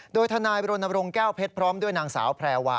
โดยทนายบรณรงค์แก้วเพชรพร้อมด้วยนางสาวแพรวา